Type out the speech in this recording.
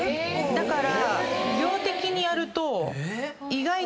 だから。